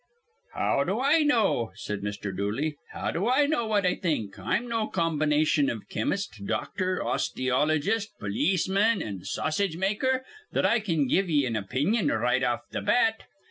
"How do I know?" said Mr. Dooley. "How do I know what I think? I'm no combination iv chemist, doctor, osteologist, polisman, an' sausage maker, that I can give ye an opinion right off th' bat.